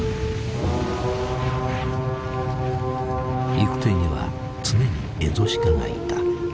行く手には常にエゾシカがいた。